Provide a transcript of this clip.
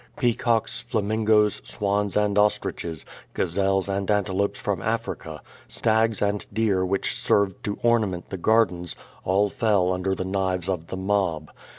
Peacocks, flamingos, swans, and ostriches, gazelles and ante lopes from Africa, stags and deer which served to ornament the gardens, all fell under the knives of the mob.